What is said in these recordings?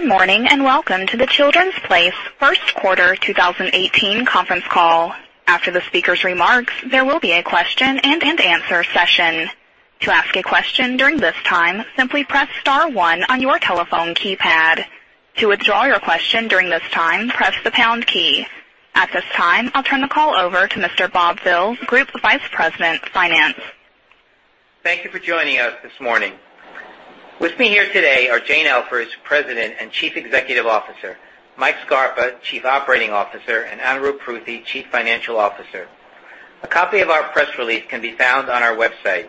Good morning, welcome to The Children’s Place first quarter 2018 conference call. After the speaker's remarks, there will be a question and answer session. To ask a question during this time, simply press star one on your telephone keypad. To withdraw your question during this time, press the pound key. At this time, I'll turn the call over to Mr. Bob Vill, Group Vice President of Finance. Thank you for joining us this morning. With me here today are Jane Elfers, President and Chief Executive Officer, Mike Scarpa, Chief Operating Officer, and Anurup Pruthi, Chief Financial Officer. A copy of our press release can be found on our website.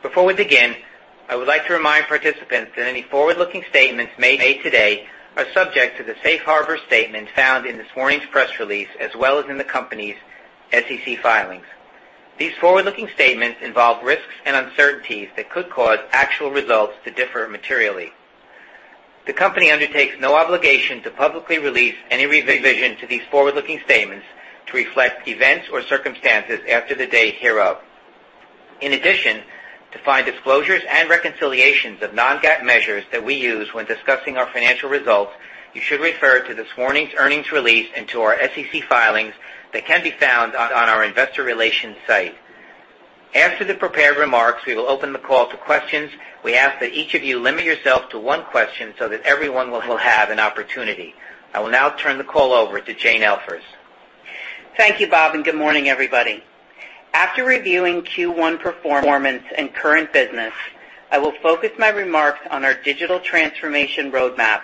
Before we begin, I would like to remind participants that any forward-looking statements made today are subject to the safe harbor statement found in this morning's press release, as well as in the company's SEC filings. These forward-looking statements involve risks and uncertainties that could cause actual results to differ materially. The company undertakes no obligation to publicly release any revision to these forward-looking statements to reflect events or circumstances after the date hereof. In addition, to find disclosures and reconciliations of non-GAAP measures that we use when discussing our financial results, you should refer to this morning's earnings release and to our SEC filings that can be found on our investor relations site. After the prepared remarks, we will open the call to questions. We ask that each of you limit yourself to one question so that everyone will have an opportunity. I will now turn the call over to Jane Elfers. Thank you, Bob, and good morning, everybody. After reviewing Q1 performance and current business, I will focus my remarks on our digital transformation roadmap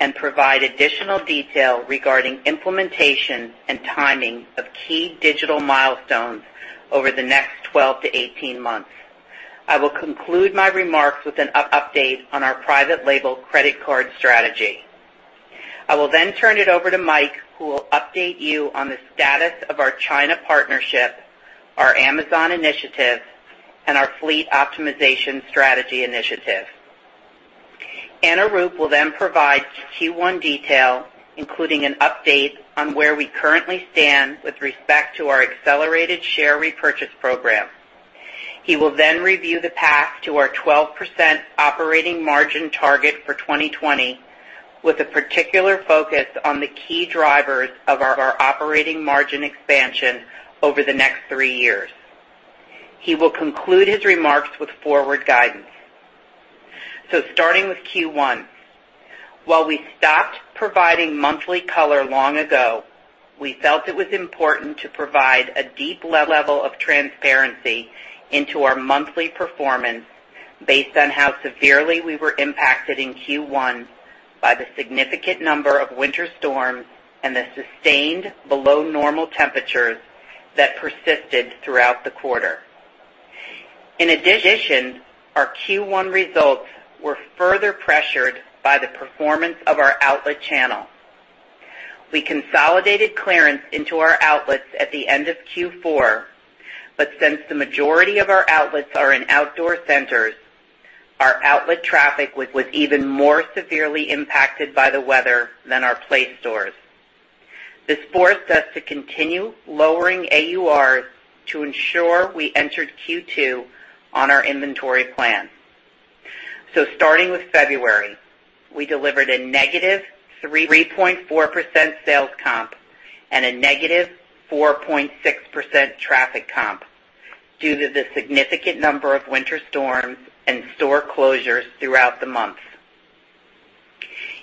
and provide additional detail regarding implementation and timing of key digital milestones over the next 12 to 18 months. I will conclude my remarks with an update on our private label credit card strategy. I will then turn it over to Mike, who will update you on the status of our China partnership, our Amazon initiative, and our fleet optimization strategy initiative. Anurup will then provide Q1 detail, including an update on where we currently stand with respect to our accelerated share repurchase program. He will then review the path to our 12% operating margin target for 2020, with a particular focus on the key drivers of our operating margin expansion over the next three years. He will conclude his remarks with forward guidance. Starting with Q1. While we stopped providing monthly color long ago, we felt it was important to provide a deep level of transparency into our monthly performance based on how severely we were impacted in Q1 by the significant number of winter storms and the sustained below normal temperatures that persisted throughout the quarter. In addition, our Q1 results were further pressured by the performance of our outlet channel. We consolidated clearance into our outlets at the end of Q4, but since the majority of our outlets are in outdoor centers, our outlet traffic was even more severely impacted by the weather than our Place stores. This forced us to continue lowering AURs to ensure we entered Q2 on our inventory plan. Starting with February, we delivered a negative 3.4% sales comp and a negative 4.6% traffic comp due to the significant number of winter storms and store closures throughout the month.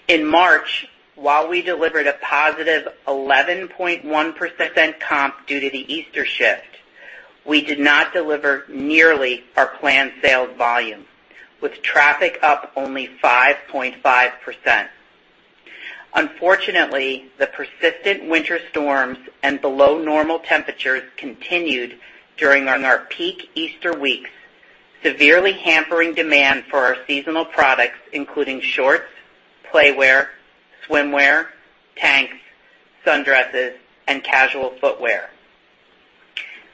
In March, while we delivered a positive 11.1% comp due to the Easter shift, we did not deliver nearly our planned sales volume, with traffic up only 5.5%. Unfortunately, the persistent winter storms and below normal temperatures continued during our peak Easter weeks, severely hampering demand for our seasonal products, including shorts, play wear, swimwear, tanks, sundresses, and casual footwear.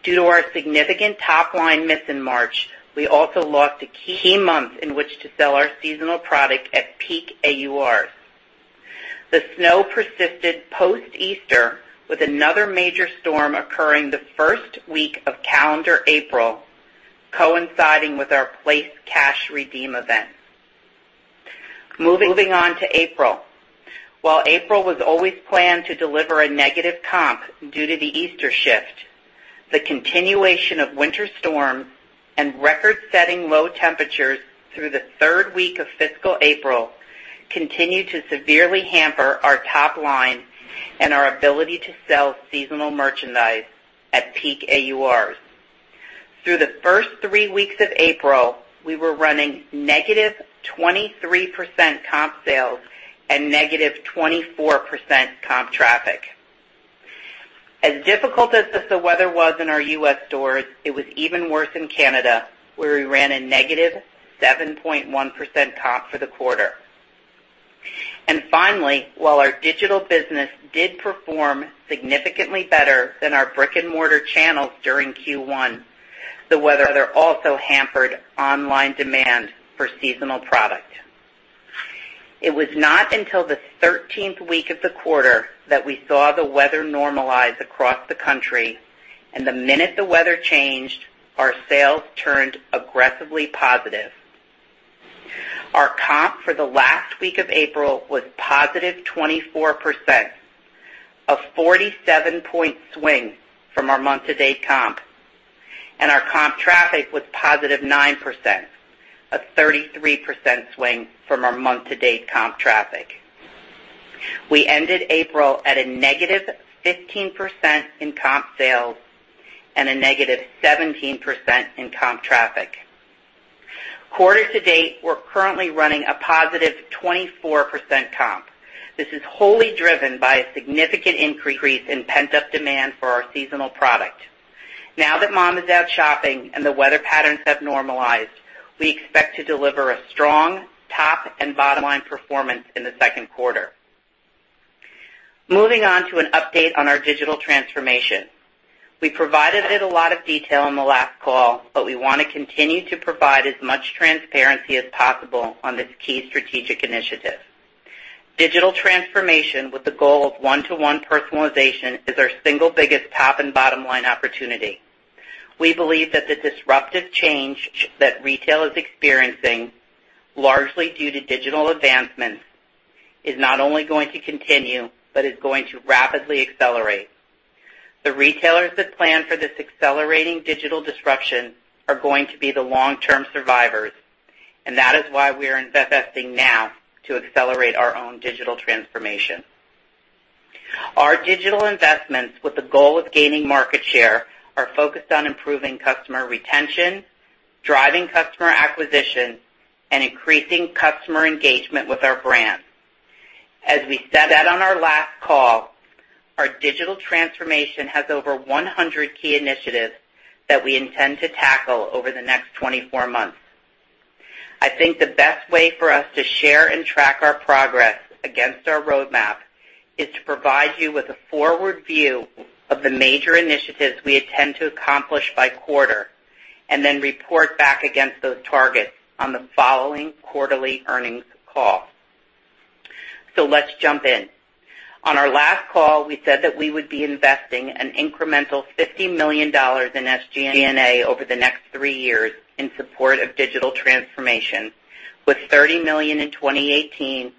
Due to our significant top-line miss in March, we also lost a key month in which to sell our seasonal product at peak AURs. The snow persisted post-Easter, with another major storm occurring the first week of calendar April, coinciding with our PLACE cash redeem event. Moving on to April. While April was always planned to deliver a negative comp due to the Easter shift, the continuation of winter storms and record-setting low temperatures through the third week of fiscal April continued to severely hamper our top line and our ability to sell seasonal merchandise at peak AURs. Through the first three weeks of April, we were running negative 23% comp sales and negative 24% comp traffic. As difficult as the weather was in our U.S. stores, it was even worse in Canada, where we ran a negative 7.1% comp for the quarter. Finally, while our digital business did perform significantly better than our brick-and-mortar channels during Q1, the weather there also hampered online demand for seasonal product. It was not until the 13th week of the quarter that we saw the weather normalize across the country. The minute the weather changed, our sales turned aggressively positive. Our comp for the last week of April was positive 24%, a 47-point swing from our month-to-date comp, and our comp traffic was positive 9%, a 33% swing from our month-to-date comp traffic. We ended April at a negative 15% in comp sales and a negative 17% in comp traffic. Quarter to date, we are currently running a positive 24% comp. This is wholly driven by a significant increase in pent-up demand for our seasonal product. Now that mom is out shopping and the weather patterns have normalized, we expect to deliver a strong top and bottom line performance in the second quarter. Moving on to an update on our digital transformation. We provided it a lot of detail on the last call, but we want to continue to provide as much transparency as possible on this key strategic initiative. Digital transformation with the goal of one-to-one personalization is our single biggest top and bottom line opportunity. We believe that the disruptive change that retail is experiencing, largely due to digital advancements, is not only going to continue but is going to rapidly accelerate. The retailers that plan for this accelerating digital disruption are going to be the long-term survivors, and that is why we are investing now to accelerate our own digital transformation. Our digital investments with the goal of gaining market share are focused on improving customer retention, driving customer acquisition, and increasing customer engagement with our brand. As we said on our last call, our digital transformation has over 100 key initiatives that we intend to tackle over the next 24 months. I think the best way for us to share and track our progress against our roadmap is to provide you with a forward view of the major initiatives we intend to accomplish by quarter, then report back against those targets on the following quarterly earnings call. Let's jump in. On our last call, we said that we would be investing an incremental $50 million in SG&A over the next three years in support of digital transformation with $30 million in 2018,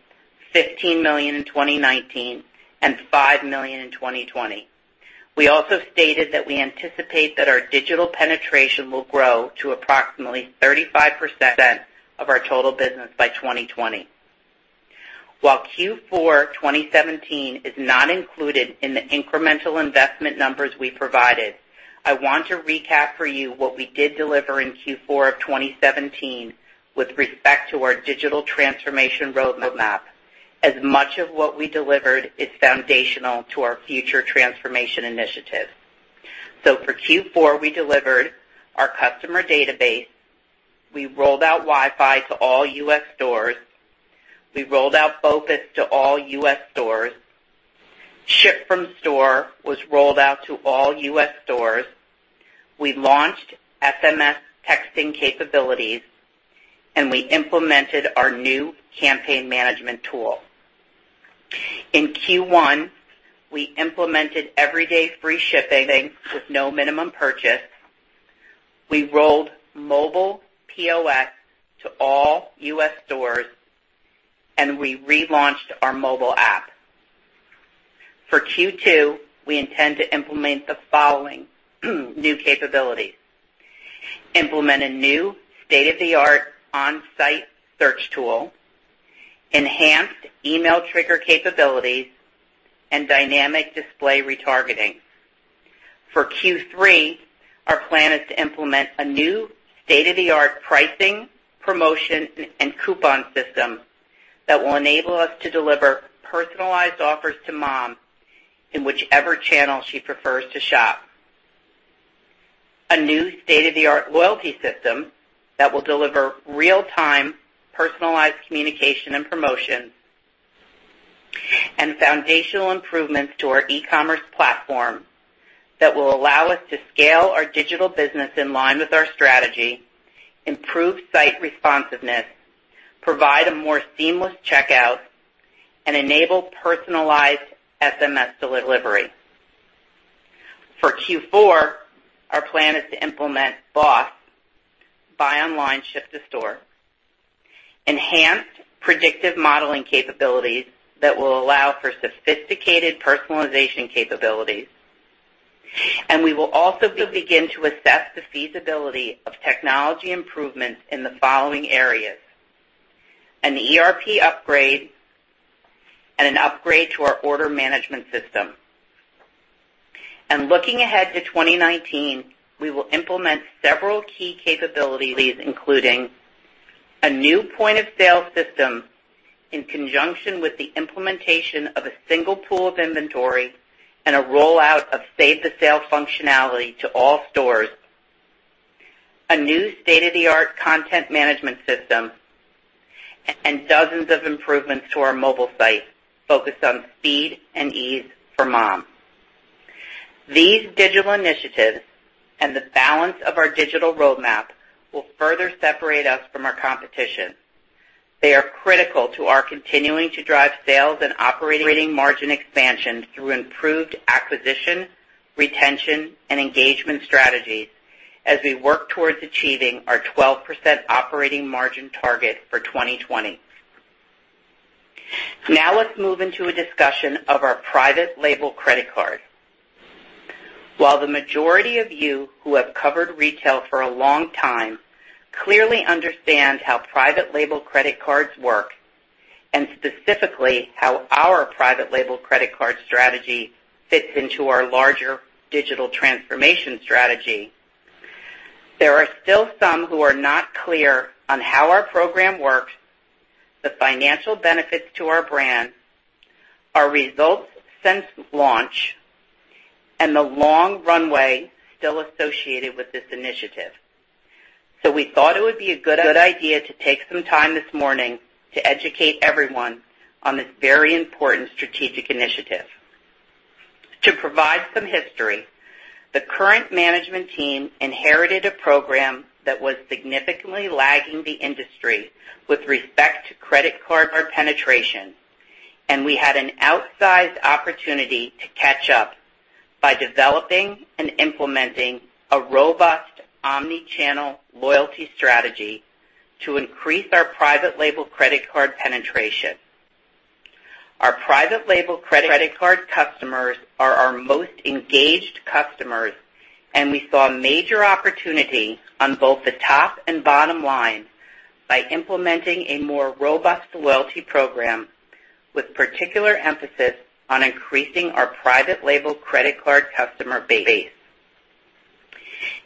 $15 million in 2019, and $5 million in 2020. We also stated that we anticipate that our digital penetration will grow to approximately 35% of our total business by 2020. While Q4 2017 is not included in the incremental investment numbers we provided, I want to recap for you what we did deliver in Q4 of 2017 with respect to our digital transformation roadmap as much of what we delivered is foundational to our future transformation initiative. For Q4, we delivered our customer database. We rolled out Wi-Fi to all U.S. stores. We rolled out Focus to all U.S. stores. Ship from Store was rolled out to all U.S. stores. We launched SMS texting capabilities, and we implemented our new campaign management tool. In Q1, we implemented everyday free shipping with no minimum purchase. We rolled mobile POS to all U.S. stores, and we relaunched our mobile app. For Q2, we intend to implement the following new capabilities: implement a new state-of-the-art on-site search tool, enhanced email trigger capabilities, and dynamic display retargeting. For Q3, our plan is to implement a new state-of-the-art pricing, promotion, and coupon system that will enable us to deliver personalized offers to mom in whichever channel she prefers to shop, a new state-of-the-art loyalty system that will deliver real-time personalized communication and promotions, and foundational improvements to our e-commerce platform that will allow us to scale our digital business in line with our strategy, improve site responsiveness, provide a more seamless checkout, and enable personalized SMS delivery. For Q4, our plan is to implement BOSS, Buy Online Ship to Store, enhanced predictive modeling capabilities that will allow for sophisticated personalization capabilities, and we will also begin to assess the feasibility of technology improvements in the following areas: an ERP upgrade and an upgrade to our order management system. Looking ahead to 2019, we will implement several key capabilities, including a new point-of-sale system in conjunction with the implementation of a single pool of inventory and a rollout of save-the-sale functionality to all stores, a new state-of-the-art content management system, and dozens of improvements to our mobile site focused on speed and ease for mom. These digital initiatives and the balance of our digital roadmap will further separate us from our competition. They are critical to our continuing to drive sales and operating margin expansion through improved acquisition, retention, and engagement strategies as we work towards achieving our 12% operating margin target for 2020. Let's move into a discussion of our private label credit card. While the majority of you who have covered retail for a long time clearly understand how private label credit cards work, and specifically how our private label credit card strategy fits into our larger digital transformation strategy, there are still some who are not clear on how our program works, the financial benefits to our brand, our results since launch, and the long runway still associated with this initiative. We thought it would be a good idea to take some time this morning to educate everyone on this very important strategic initiative. To provide some history, the current management team inherited a program that was significantly lagging the industry with respect to credit card penetration, and we had an outsized opportunity to catch up by developing and implementing a robust omni-channel loyalty strategy to increase our private label credit card penetration. Our private label credit card customers are our most engaged customers, and we saw a major opportunity on both the top and bottom line by implementing a more robust loyalty program with particular emphasis on increasing our private label credit card customer base.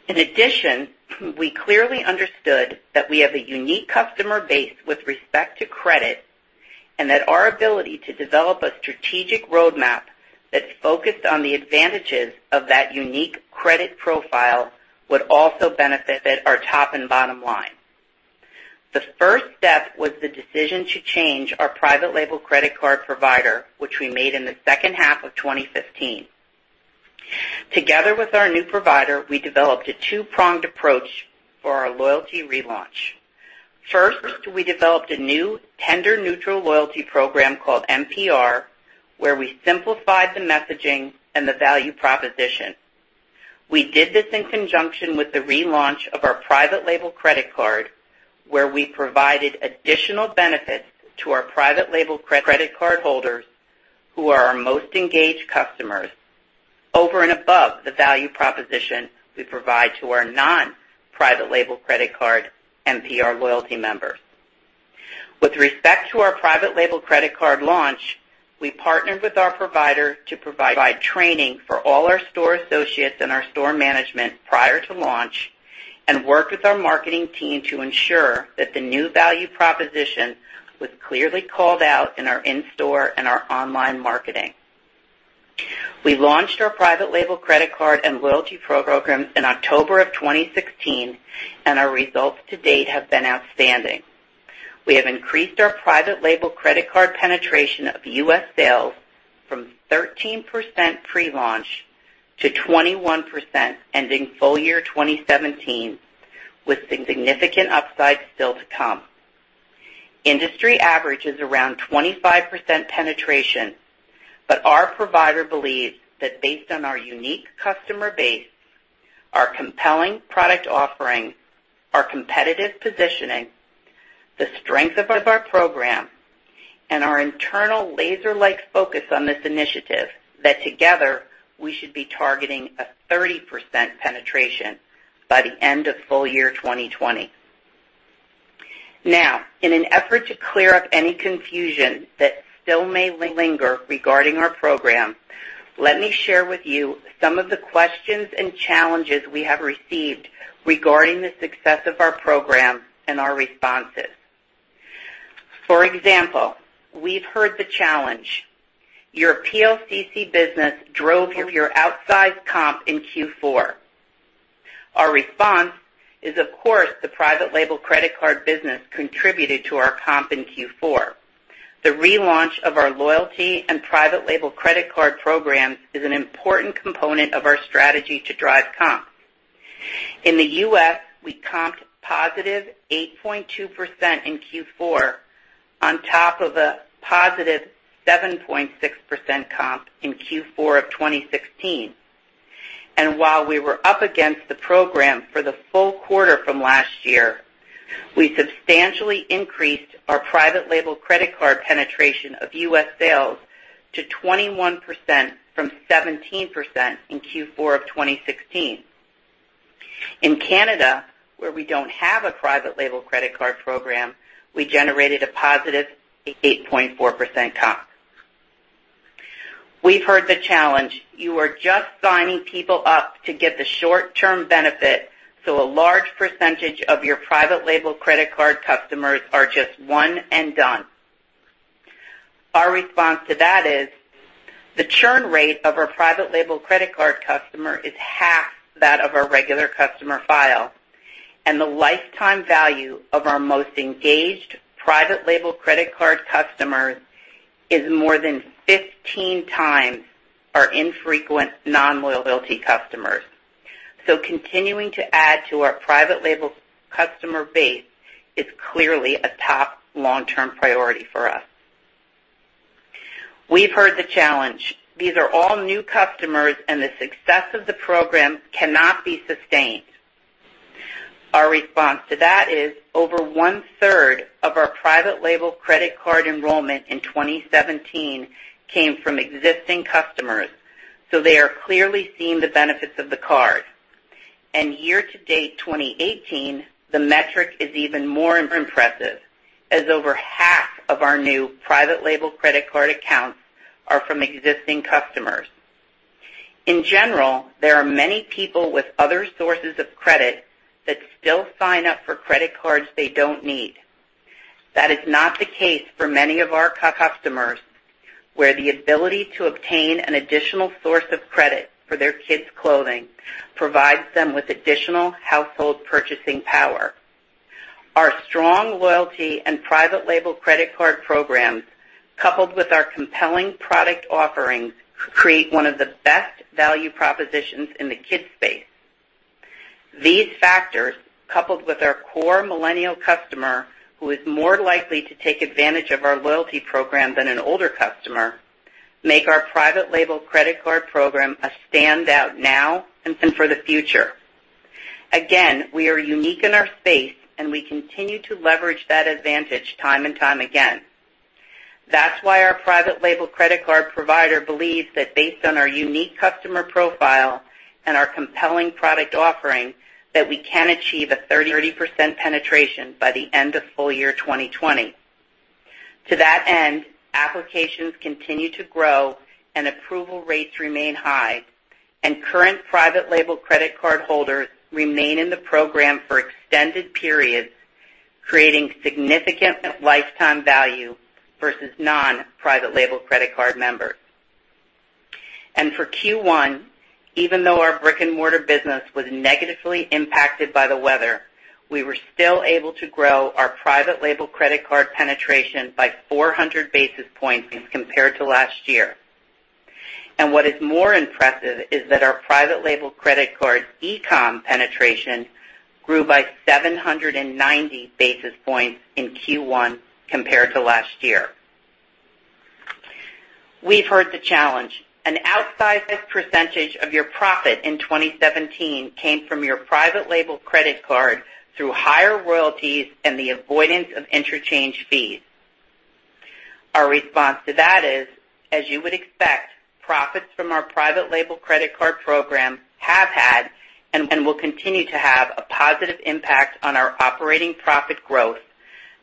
In addition, we clearly understood that we have a unique customer base with respect to credit, and that our ability to develop a strategic roadmap that's focused on the advantages of that unique credit profile would also benefit our top and bottom line. The first step was the decision to change our private label credit card provider, which we made in the second half of 2015. Together with our new provider, we developed a two-pronged approach for our loyalty relaunch. First, we developed a new tender neutral loyalty program called MPR, where we simplified the messaging and the value proposition. We did this in conjunction with the relaunch of our private label credit card, where we provided additional benefits to our private label credit card holders who are our most engaged customers, over and above the value proposition we provide to our non-private label credit card MPR loyalty members. With respect to our private label credit card launch, we partnered with our provider to provide training for all our store associates and our store management prior to launch and worked with our marketing team to ensure that the new value proposition was clearly called out in our in-store and our online marketing. We launched our private label credit card and loyalty programs in October of 2016, and our results to date have been outstanding. We have increased our private label credit card penetration of U.S. sales from 13% pre-launch to 21% ending full year 2017, with significant upside still to come. Industry average is around 25% penetration, but our provider believes that based on our unique customer base, our compelling product offering, our competitive positioning, the strength of our program, and our internal laser-like focus on this initiative, that together, we should be targeting a 30% penetration by the end of full year 2020. In an effort to clear up any confusion that still may linger regarding our program, let me share with you some of the questions and challenges we have received regarding the success of our program and our responses. For example, we've heard the challenge, "Your PLCC business drove your outsized comp in Q4." Our response is, of course, the private label credit card business contributed to our comp in Q4. The relaunch of our loyalty and private label credit card programs is an important component of our strategy to drive comp. In the U.S., we comped positive 8.2% in Q4 on top of a positive 7.6% comp in Q4 of 2016. While we were up against the program for the full quarter from last year, we substantially increased our private label credit card penetration of U.S. sales to 21% from 17% in Q4 of 2016. In Canada, where we don't have a private label credit card program, we generated a positive 8.4% comp. We've heard the challenge, "You are just signing people up to get the short-term benefit, so a large percentage of your private label credit card customers are just one and done." Our response to that is, the churn rate of our private label credit card customer is half that of our regular customer file, and the lifetime value of our most engaged private label credit card customers is more than 15 times our infrequent non-loyalty customers. Continuing to add to our private label customer base is clearly a top long-term priority for us. We've heard the challenge. These are all new customers, and the success of the program cannot be sustained. Our response to that is, over one-third of our private label credit card enrollment in 2017 came from existing customers, so they are clearly seeing the benefits of the card. Year to date 2018, the metric is even more impressive, as over half of our new private label credit card accounts are from existing customers. In general, there are many people with other sources of credit that still sign up for credit cards they don't need. That is not the case for many of our customers, where the ability to obtain an additional source of credit for their kids' clothing provides them with additional household purchasing power. Our strong loyalty and private label credit card programs, coupled with our compelling product offerings, create one of the best value propositions in the kids space. These factors, coupled with our core millennial customer, who is more likely to take advantage of our loyalty program than an older customer, make our private label credit card program a standout now and for the future. We are unique in our space, and we continue to leverage that advantage time and time again. That's why our private label credit card provider believes that based on our unique customer profile and our compelling product offering that we can achieve a 30% penetration by the end of full year 2020. To that end, applications continue to grow, and approval rates remain high, and current private label credit card holders remain in the program for extended periods, creating significant lifetime value versus non-private label credit card members. For Q1, even though our brick-and-mortar business was negatively impacted by the weather, we were still able to grow our private label credit card penetration by 400 basis points as compared to last year. What is more impressive is that our private label credit card e-com penetration grew by 790 basis points in Q1 compared to last year. We've heard the challenge. An outsized percentage of your profit in 2017 came from your private label credit card through higher royalties and the avoidance of interchange fees. Our response to that is, as you would expect, profits from our private label credit card program have had and will continue to have a positive impact on our operating profit growth,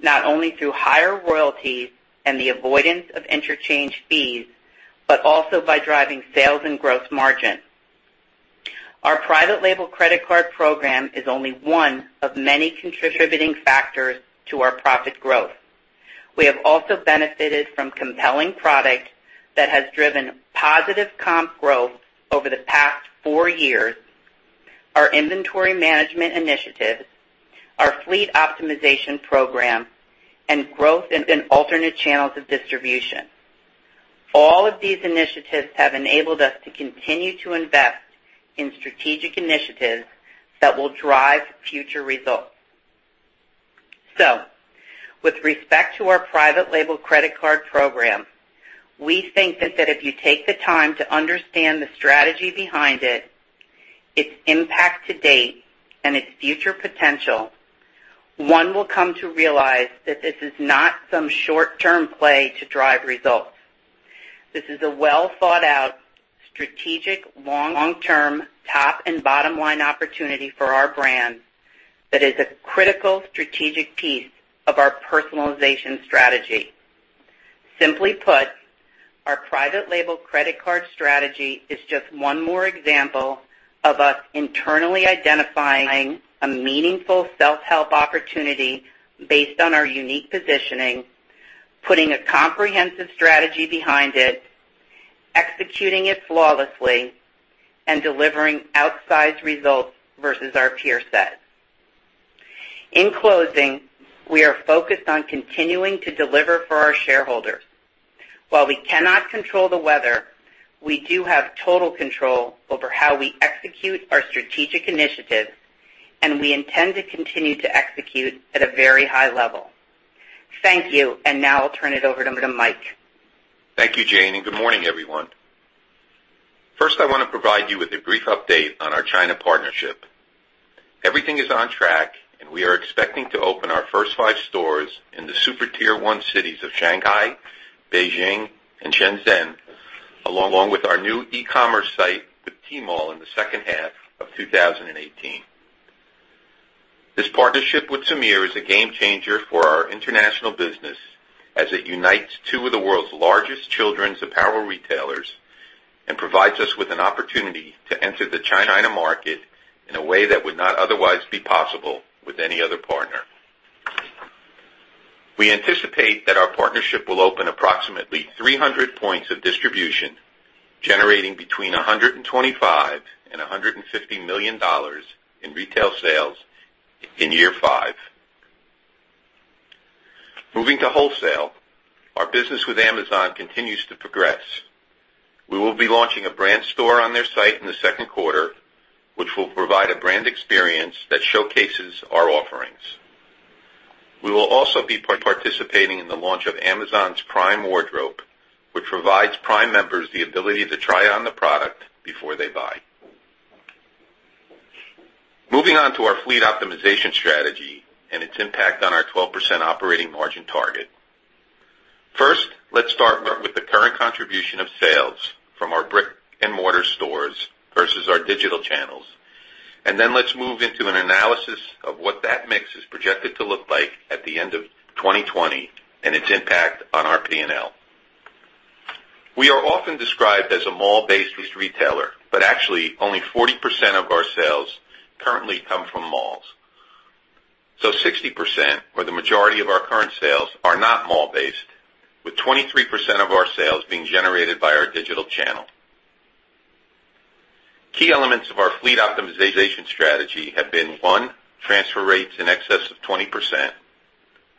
not only through higher royalties and the avoidance of interchange fees, but also by driving sales and gross margin. Our private label credit card program is only one of many contributing factors to our profit growth. We have also benefited from compelling product that has driven positive comp growth over the past four years, our inventory management initiatives, our fleet optimization program, and growth in alternate channels of distribution. All of these initiatives have enabled us to continue to invest in strategic initiatives that will drive future results. With respect to our private label credit card program, we think that if you take the time to understand the strategy behind it, its impact to date, and its future potential, one will come to realize that this is not some short-term play to drive results. This is a well-thought-out, strategic, long-term top and bottom-line opportunity for our brand that is a critical strategic piece of our personalization strategy. Simply put, our private label credit card strategy is just one more example of us internally identifying a meaningful self-help opportunity based on our unique positioning, putting a comprehensive strategy behind it, executing it flawlessly, and delivering outsized results versus our peer set. In closing, we are focused on continuing to deliver for our shareholders. While we cannot control the weather, we do have total control over how we execute our strategic initiatives, and we intend to continue to execute at a very high level. Thank you. Now I'll turn it over to Mike. Thank you, Jane, and good morning, everyone. First, I want to provide you with a brief update on our China partnership. Everything is on track, and we are expecting to open our first 5 stores in the super tier 1 cities of Shanghai, Beijing, and Shenzhen, along with our new e-commerce site with Tmall in the second half of 2018. This partnership with Semir is a game changer for our international business, as it unites two of the world's largest children's apparel retailers and provides us with an opportunity to enter the China market in a way that would not otherwise be possible with any other partner. We anticipate that our partnership will open approximately 300 points of distribution, generating between $125 million and $150 million in retail sales in year 5. Moving to wholesale, our business with Amazon continues to progress. We will be launching a brand store on their site in the second quarter, which will provide a brand experience that showcases our offerings. We will also be participating in the launch of Amazon's Prime Wardrobe, which provides Prime members the ability to try on the product before they buy. Moving on to our fleet optimization strategy and its impact on our 12% operating margin target. First, let's start with the current contribution of sales from our brick-and-mortar stores versus our digital channels, then let's move into an analysis of what that mix is projected to look like at the end of 2020 and its impact on our P&L. We are often described as a mall-based retailer, but actually only 40% of our sales currently come from malls. 60%, or the majority of our current sales, are not mall-based, with 23% of our sales being generated by our digital channel. Key elements of our fleet optimization strategy have been, 1, transfer rates in excess of 20%,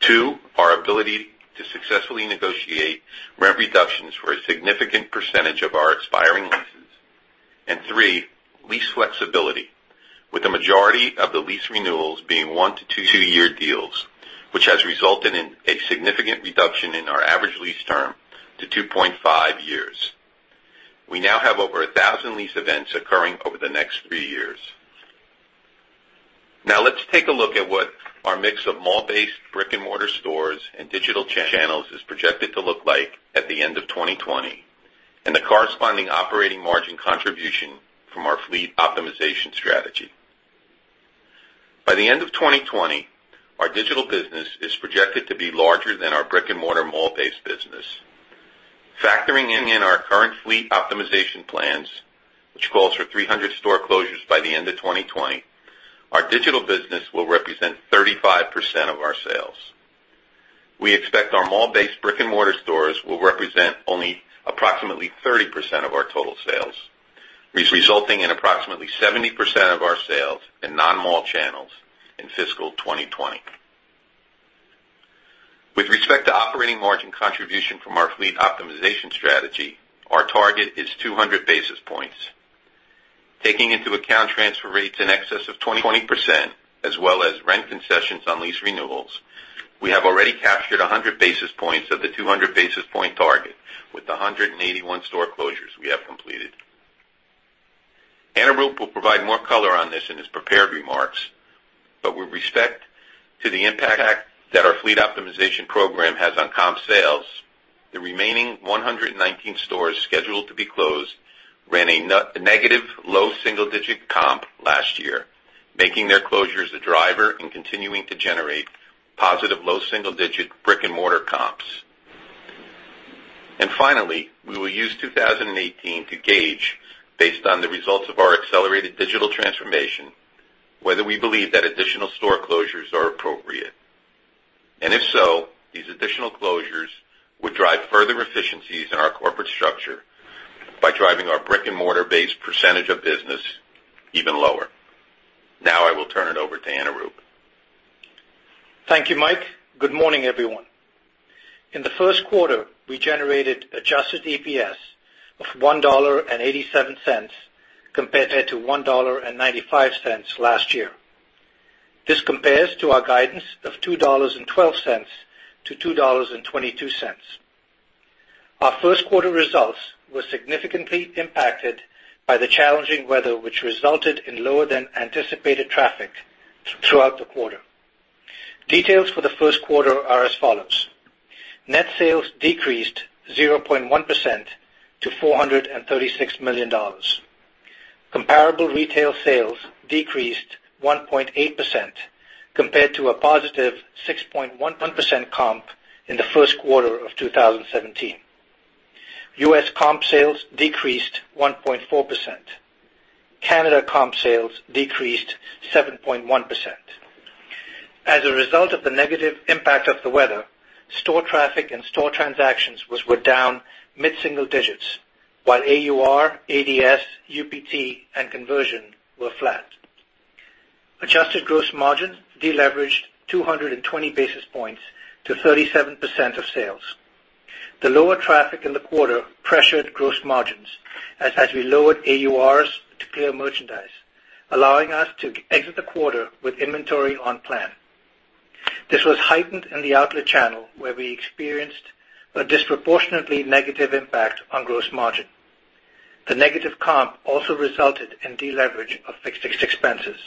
2, our ability to successfully negotiate rent reductions for a significant percentage of our expiring leases, and 3, lease flexibility, with the majority of the lease renewals being 1-2-year deals, which has resulted in a significant reduction in our average lease term to 2.5 years. We now have over 1,000 lease events occurring over the next three years. Let's take a look at what our mix of mall-based brick-and-mortar stores and digital channels is projected to look like at the end of 2020, and the corresponding operating margin contribution from our fleet optimization strategy. By the end of 2020, our digital business is projected to be larger than our brick-and-mortar mall-based business. Factoring in our current fleet optimization plans, which calls for 300 store closures by the end of 2020, our digital business will represent 35% of our sales. We expect our mall-based brick-and-mortar stores will represent only approximately 30% of our total sales, resulting in approximately 70% of our sales in non-mall channels in fiscal 2020. With respect to operating margin contribution from our fleet optimization strategy, our target is 200 basis points. Taking into account transfer rates in excess of 20%, as well as rent concessions on lease renewals, we have already captured 100 basis points of the 200 basis point target with the 181 store closures we have completed. Anurup will provide more color on this in his prepared remarks, but with respect to the impact that our fleet optimization program has on comp sales, the remaining 119 stores scheduled to be closed ran a negative low single-digit comp last year, making their closures a driver in continuing to generate positive low single-digit brick-and-mortar comps. Finally, we will use 2018 to gauge, based on the results of our accelerated digital transformation, whether we believe that additional store closures are appropriate. If so, these additional closures would drive further efficiencies in our corporate structure by driving our brick-and-mortar base percentage of business even lower. Now I will turn it over to Anurup. Thank you, Mike. Good morning, everyone. In the first quarter, we generated adjusted EPS of $1.87 compared to $1.95 last year. This compares to our guidance of $2.12-$2.22. Our first quarter results were significantly impacted by the challenging weather, which resulted in lower than anticipated traffic throughout the quarter. Details for the first quarter are as follows. Net sales decreased 0.1% to $436 million. Comparable retail sales decreased 1.8%, compared to a positive 6.1% comp in the first quarter of 2017. U.S. comp sales decreased 1.4%. Canada comp sales decreased 7.1%. As a result of the negative impact of the weather, store traffic and store transactions were down mid-single digits, while AUR, ADS, UPT, and conversion were flat. Adjusted gross margin deleveraged 220 basis points to 37% of sales. The lower traffic in the quarter pressured gross margins as we lowered AURs to clear merchandise, allowing us to exit the quarter with inventory on plan. This was heightened in the outlet channel, where we experienced a disproportionately negative impact on gross margin. The negative comp also resulted in deleverage of fixed expenses.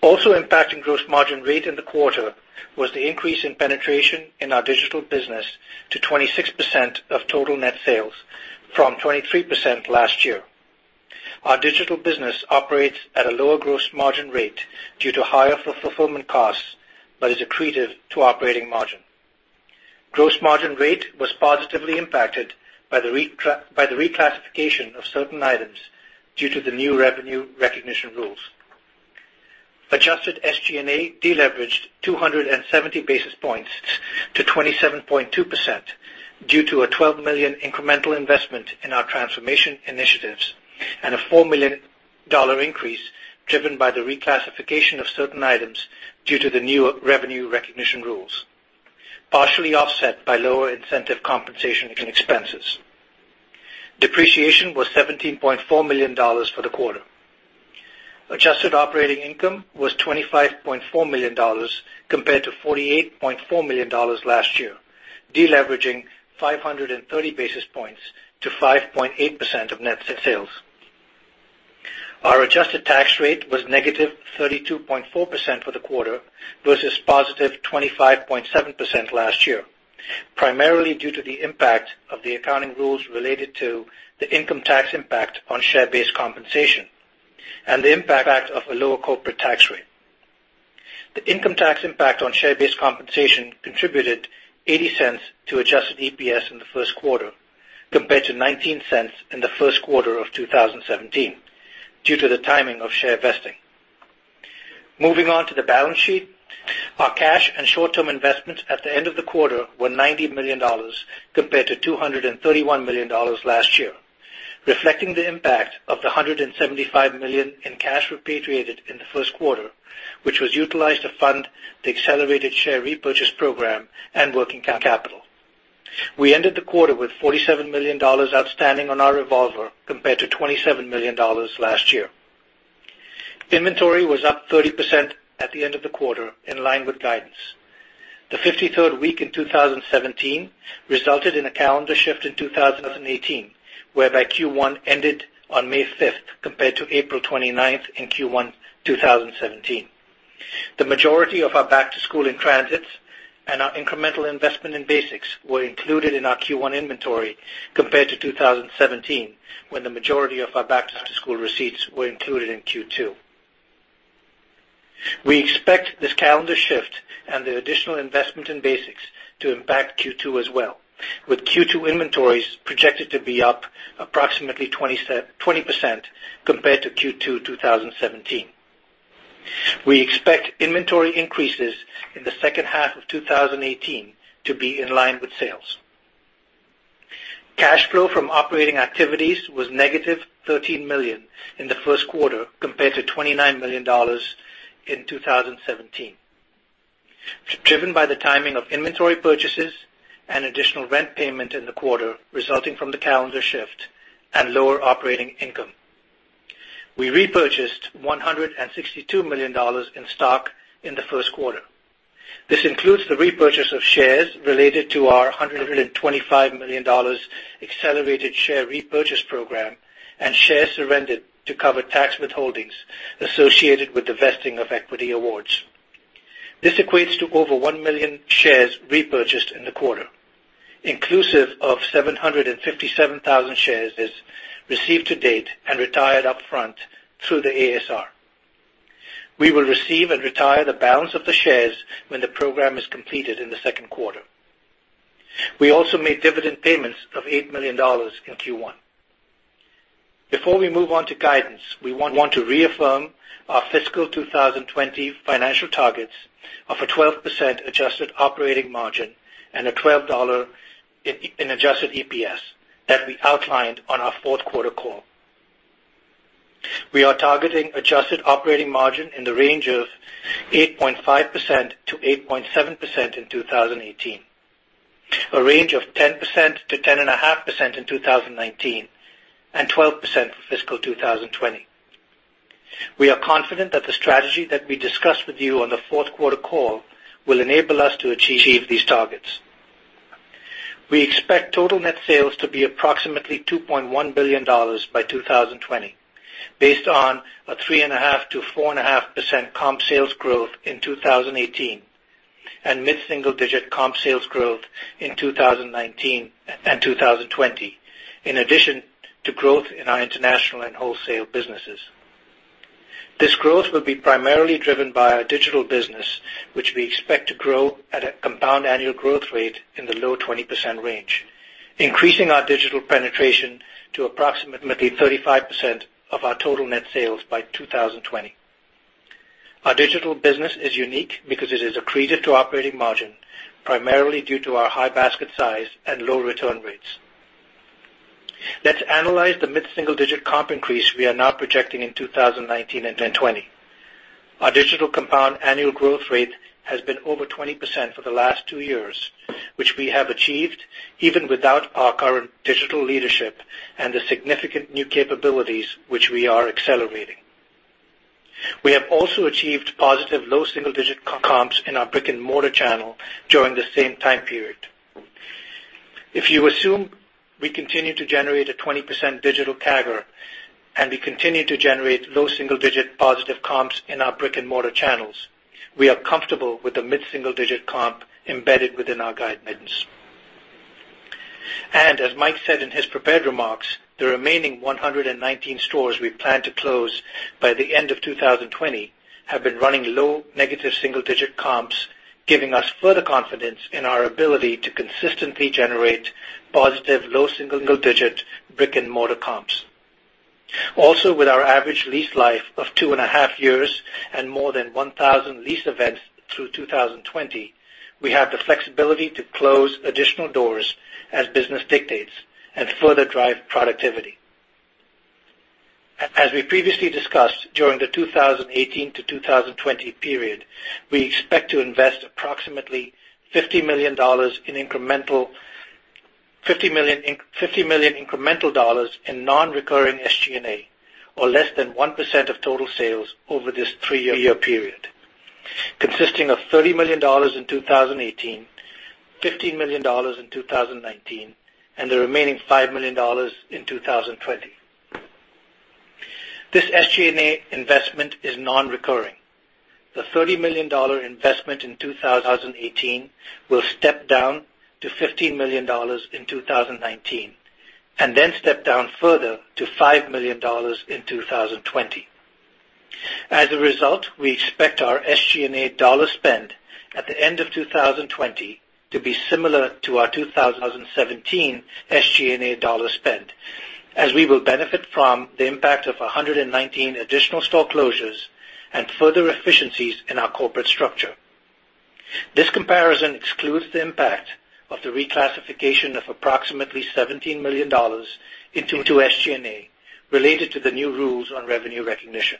Also impacting gross margin rate in the quarter was the increase in penetration in our digital business to 26% of total net sales from 23% last year. Our digital business operates at a lower gross margin rate due to higher fulfillment costs but is accretive to operating margin. Gross margin rate was positively impacted by the reclassification of certain items due to the new revenue recognition rules. Adjusted SG&A deleveraged 270 basis points to 27.2% due to a $12 million incremental investment in our transformation initiatives and a $4 million increase driven by the reclassification of certain items due to the new revenue recognition rules, partially offset by lower incentive compensation and expenses. Depreciation was $17.4 million for the quarter. Adjusted operating income was $25.4 million compared to $48.4 million last year, de-leveraging 530 basis points to 5.8% of net sales. Our adjusted tax rate was negative 32.4% for the quarter versus positive 25.7% last year, primarily due to the impact of the accounting rules related to the income tax impact on share-based compensation and the impact of a lower corporate tax rate. The income tax impact on share-based compensation contributed $0.80 to adjusted EPS in the first quarter, compared to $0.19 in the first quarter of 2017, due to the timing of share vesting. Moving on to the balance sheet. Our cash and short-term investments at the end of the quarter were $90 million, compared to $231 million last year, reflecting the impact of the $175 million in cash repatriated in the first quarter, which was utilized to fund the accelerated share repurchase program and working capital. We ended the quarter with $47 million outstanding on our revolver, compared to $27 million last year. Inventory was up 30% at the end of the quarter, in line with guidance. The 53rd week in 2017 resulted in a calendar shift in 2018, whereby Q1 ended on May 5th, compared to April 29th in Q1 2017. The majority of our back-to-school in-transits and our incremental investment in basics were included in our Q1 inventory compared to 2017, when the majority of our back-to-school receipts were included in Q2. We expect this calendar shift and the additional investment in basics to impact Q2 as well, with Q2 inventories projected to be up approximately 20% compared to Q2 2017. We expect inventory increases in the second half of 2018 to be in line with sales. Cash flow from operating activities was negative $13 million in the first quarter compared to $29 million in 2017, driven by the timing of inventory purchases and additional rent payment in the quarter, resulting from the calendar shift and lower operating income. We repurchased $162 million in stock in the first quarter. This includes the repurchase of shares related to our $125 million accelerated share repurchase program and shares surrendered to cover tax withholdings associated with the vesting of equity awards. This equates to over 1 million shares repurchased in the quarter, inclusive of 757,000 shares received to date and retired upfront through the ASR. We will receive and retire the balance of the shares when the program is completed in the second quarter. We also made dividend payments of $8 million in Q1. Before we move on to guidance, we want to reaffirm our fiscal 2020 financial targets of a 12% adjusted operating margin and a $12 in adjusted EPS that we outlined on our fourth quarter call. We are targeting adjusted operating margin in the range of 8.5%-8.7% in 2018. A range of 10%-10.5% in 2019 and 12% for fiscal 2020. We are confident that the strategy that we discussed with you on the fourth quarter call will enable us to achieve these targets. We expect total net sales to be approximately $2.1 billion by 2020, based on a 3.5%-4.5% comp sales growth in 2018 and mid-single-digit comp sales growth in 2019 and 2020, in addition to growth in our international and wholesale businesses. This growth will be primarily driven by our digital business, which we expect to grow at a compound annual growth rate in the low 20% range, increasing our digital penetration to approximately 35% of our total net sales by 2020. Our digital business is unique because it is accretive to operating margin, primarily due to our high basket size and low return rates. Let's analyze the mid-single-digit comp increase we are now projecting in 2019 and 2020. Our digital compound annual growth rate has been over 20% for the last two years, which we have achieved even without our current digital leadership and the significant new capabilities which we are accelerating. We have also achieved positive low-single-digit comps in our brick-and-mortar channel during the same time period. If you assume we continue to generate a 20% digital CAGR and we continue to generate low-single-digit positive comps in our brick-and-mortar channels, we are comfortable with the mid-single-digit comp embedded within our guidance. As Mike said in his prepared remarks, the remaining 119 stores we plan to close by the end of 2020 have been running low-negative-single-digit comps, giving us further confidence in our ability to consistently generate positive low-single-digit brick-and-mortar comps. With our average lease life of two and a half years and more than 1,000 lease events through 2020, we have the flexibility to close additional doors as business dictates and further drive productivity. As we previously discussed, during the 2018 to 2020 period, we expect to invest approximately $50 million incremental dollars in non-recurring SG&A, or less than 1% of total sales over this three-year period, consisting of $30 million in 2018, $15 million in 2019, and the remaining $5 million in 2020. This SG&A investment is non-recurring. The $30 million investment in 2018 will step down to $15 million in 2019, then step down further to $5 million in 2020. We expect our SG&A dollar spend at the end of 2020 to be similar to our 2017 SG&A dollar spend, as we will benefit from the impact of 119 additional store closures and further efficiencies in our corporate structure. This comparison excludes the impact of the reclassification of approximately $17 million into SG&A related to the new rules on revenue recognition.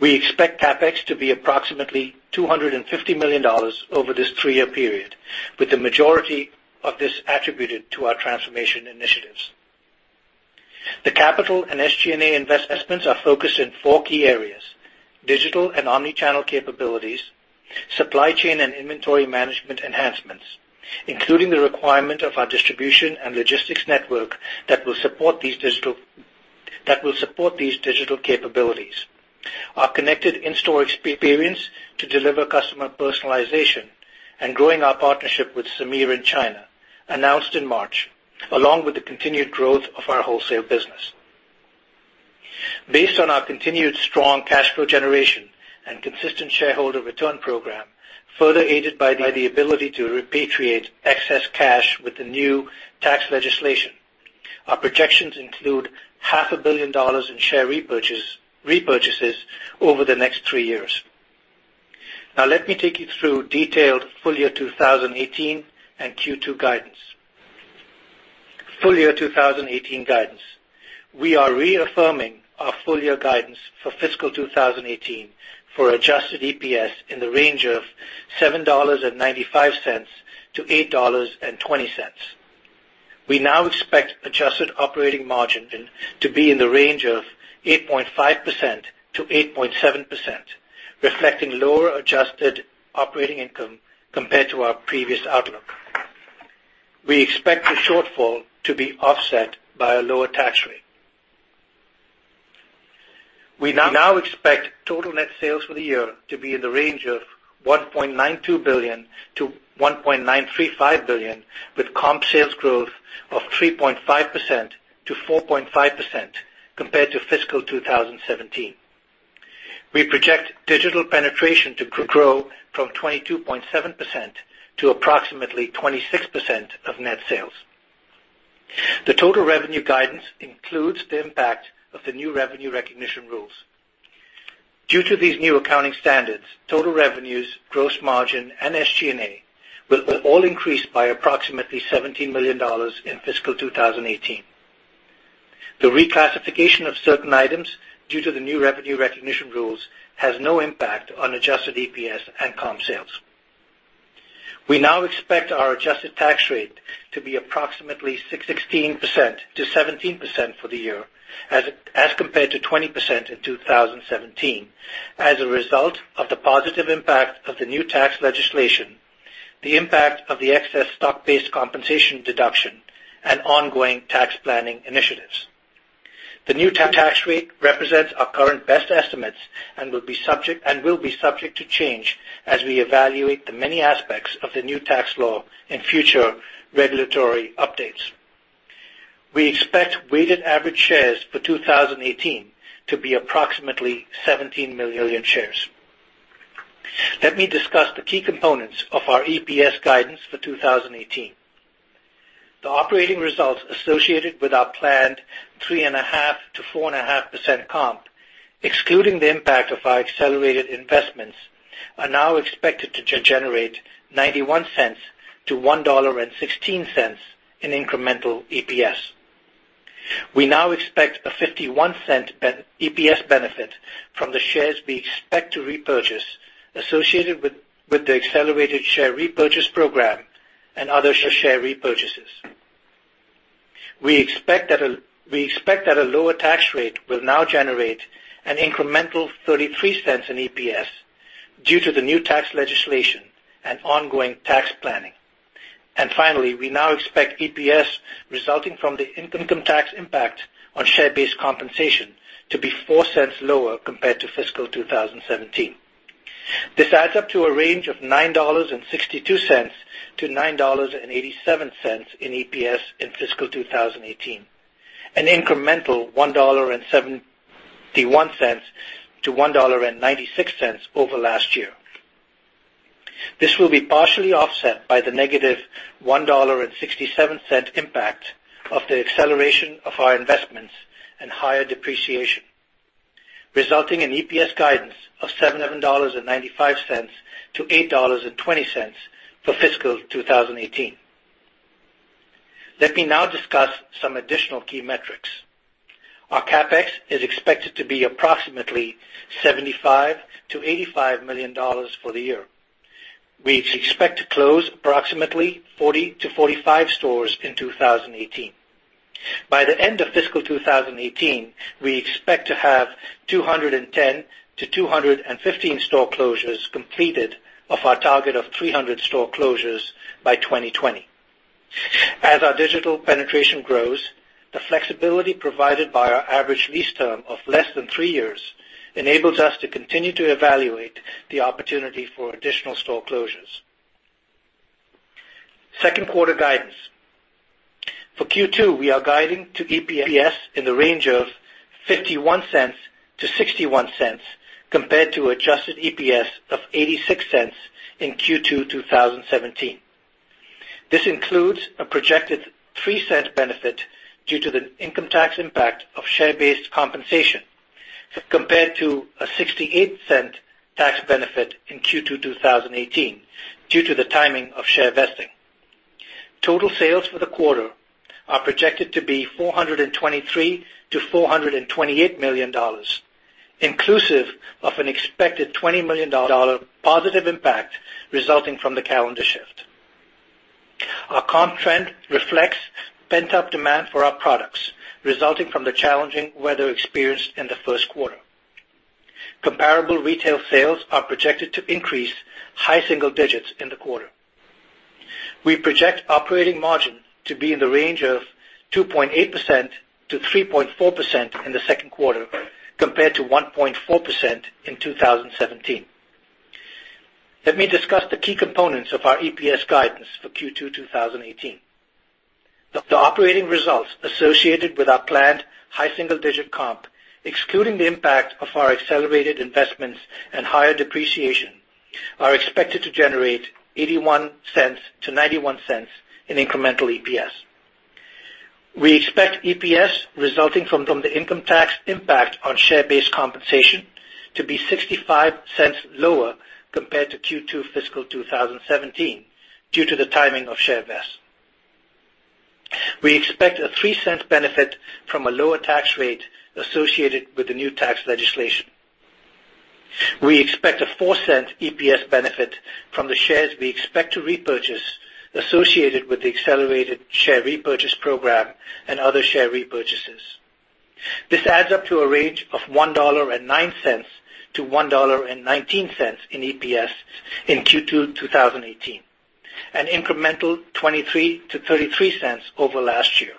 We expect CapEx to be approximately $250 million over this three-year period, with the majority of this attributed to our transformation initiatives. The capital and SG&A investments are focused in four key areas: digital and omni-channel capabilities, supply chain and inventory management enhancements, including the requirement of our distribution and logistics network that will support these digital capabilities, our connected in-store experience to deliver customer personalization, and growing our partnership with Semir in China, announced in March, along with the continued growth of our wholesale business. Based on our continued strong cash flow generation and consistent shareholder return program, further aided by the ability to repatriate excess cash with the new tax legislation, our projections include half a billion dollars in share repurchases over the next three years. Let me take you through detailed full year 2018 and Q2 guidance. Full year 2018 guidance. We are reaffirming our full year guidance for fiscal 2018 for adjusted EPS in the range of $7.95 to $8.20. We now expect adjusted operating margin to be in the range of 8.5%-8.7%, reflecting lower adjusted operating income compared to our previous outlook. We expect the shortfall to be offset by a lower tax rate. We now expect total net sales for the year to be in the range of $1.92 billion-$1.935 billion, with comp sales growth of 3.5%-4.5% compared to fiscal 2017. We project digital penetration to grow from 22.7% to approximately 26% of net sales. The total revenue guidance includes the impact of the new revenue recognition rules. Due to these new accounting standards, total revenues, gross margin, and SG&A will all increase by approximately $17 million in fiscal 2018. The reclassification of certain items due to the new revenue recognition rules has no impact on adjusted EPS and comp sales. We now expect our adjusted tax rate to be approximately 16%-17% for the year as compared to 20% in 2017, as a result of the positive impact of the new tax legislation, the impact of the excess stock-based compensation deduction, and ongoing tax planning initiatives. The new tax rate represents our current best estimates and will be subject to change as we evaluate the many aspects of the new tax law in future regulatory updates. We expect weighted average shares for 2018 to be approximately 17 million shares. Let me discuss the key components of our EPS guidance for 2018. The operating results associated with our planned 3.5%-4.5% comp, excluding the impact of our accelerated investments, are now expected to generate $0.91-$1.16 in incremental EPS. We now expect a $0.51 EPS benefit from the shares we expect to repurchase associated with the accelerated share repurchase program and other share repurchases. We expect that a lower tax rate will now generate an incremental $0.33 in EPS due to the new tax legislation and ongoing tax planning. Finally, we now expect EPS resulting from the income tax impact on share-based compensation to be $0.04 lower compared to fiscal 2017. This adds up to a range of $9.62-$9.87 in EPS in fiscal 2018, an incremental $1.71-$1.96 over last year. This will be partially offset by the negative $1.67 impact of the acceleration of our investments and higher depreciation, resulting in EPS guidance of $7.95-$8.20 for fiscal 2018. Let me now discuss some additional key metrics. Our CapEx is expected to be approximately $75 million-$85 million for the year. We expect to close approximately 40-45 stores in 2018. By the end of fiscal 2018, we expect to have 210-215 store closures completed of our target of 300 store closures by 2020. As our digital penetration grows, the flexibility provided by our average lease term of less than three years enables us to continue to evaluate the opportunity for additional store closures. Second quarter guidance. For Q2, we are guiding to EPS in the range of $0.51-$0.61 compared to adjusted EPS of $0.86 in Q2 2017. This includes a projected $0.03 benefit due to the income tax impact of share-based compensation, compared to a $0.68 tax benefit in Q2 2017 due to the timing of share vesting. Total sales for the quarter are projected to be $423 million-$428 million, inclusive of an expected $20 million positive impact resulting from the calendar shift. Our comp trend reflects pent-up demand for our products, resulting from the challenging weather experienced in the first quarter. Comparable retail sales are projected to increase high single digits in the quarter. We project operating margin to be in the range of 2.8%-3.4% in the second quarter, compared to 1.4% in 2017. Let me discuss the key components of our EPS guidance for Q2 2017. The operating results associated with our planned high single-digit comp, excluding the impact of our accelerated investments and higher depreciation, are expected to generate $0.81-$0.91 in incremental EPS. We expect EPS resulting from the income tax impact on share-based compensation to be $0.65 lower compared to Q2 fiscal 2017 due to the timing of share vest. We expect a $0.03 benefit from a lower tax rate associated with the new tax legislation. We expect a $0.04 EPS benefit from the shares we expect to repurchase associated with the accelerated share repurchase program and other share repurchases. This adds up to a range of $1.09 to $1.19 in EPS in Q2 2018, an incremental $0.23-$0.33 over last year.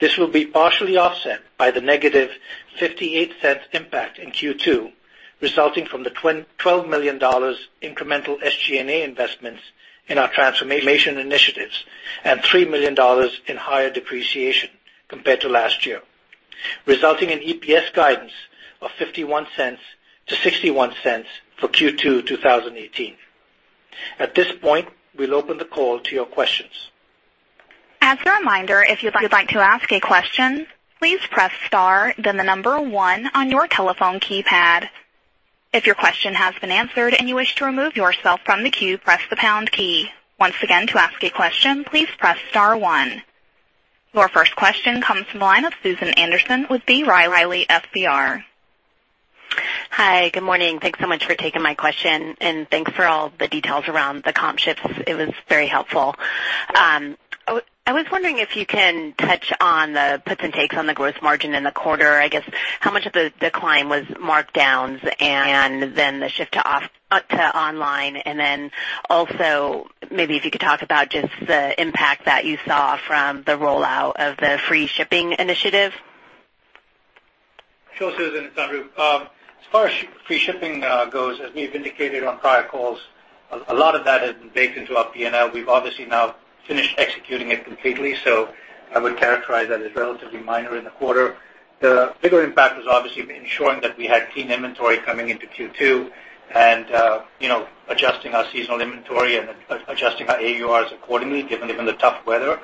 This will be partially offset by the negative $0.58 impact in Q2, resulting from the $12 million incremental SG&A investments in our transformation initiatives and $3 million in higher depreciation compared to last year, resulting in EPS guidance of $0.51-$0.61 for Q2 2018. At this point, we'll open the call to your questions. As a reminder, if you'd like to ask a question, please press star, then the number one on your telephone keypad. If your question has been answered and you wish to remove yourself from the queue, press the pound key. Once again, to ask a question, please press star one. Your first question comes from the line of Susan Anderson with B. Riley FBR. Hi. Good morning. Thanks so much for taking my question, and thanks for all the details around the comp shifts. It was very helpful. I was wondering if you can touch on the puts and takes on the gross margin in the quarter. I guess, how much of the decline was markdowns, and then the shift to online. And then also, maybe if you could talk about just the impact that you saw from the rollout of the free shipping initiative. Sure, Susan, it's Anurup. As far as free shipping goes, as we've indicated on prior calls, a lot of that has been baked into our P&L. We've obviously now finished executing it completely. I would characterize that as relatively minor in the quarter. The bigger impact was obviously ensuring that we had clean inventory coming into Q2 and adjusting our seasonal inventory and adjusting our AURs accordingly, given the tough weather,